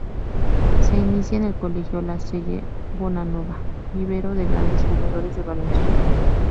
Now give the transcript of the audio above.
Se inicia en el Colegio La Salle Bonanova, vivero de grandes jugadores de baloncesto.